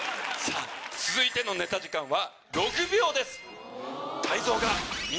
続いてのネタ時間は。